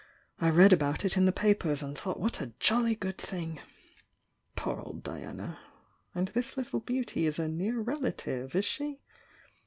I read about it in the papers and thought what a jolly good thing! Poor old Diana! And this little beauty is a 'near relative,' is she?